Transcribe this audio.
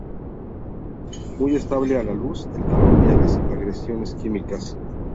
Muy estables a la luz, el calor y a las agresiones químicas.